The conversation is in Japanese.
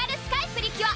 プリキュア